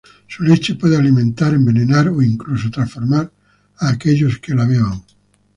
Su leche puede alimentar, envenenar o incluso transformar a aquellos que la beban.